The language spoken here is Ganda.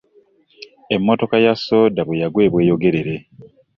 Emmotoka y'asooda bweyagwa eBweyogerere